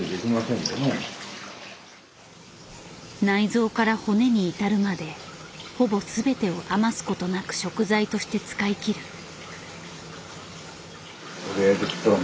内臓から骨に至るまでほぼ全てを余すことなく食材として使いきる。